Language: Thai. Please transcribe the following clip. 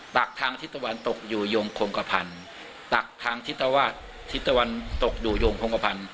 ตักทางทิศตะวันตกอยู่โยงโคงกระพันธุ์ตักทางทิศวาสทิศตะวันตกอยู่โยงโครงกระพันธ